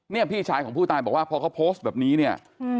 นี่พี่ชายของผู้ตายบอกว่าเพราะเขาโพสต์แบบนี้